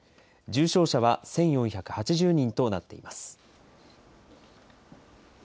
重症者は１４８０人となっています。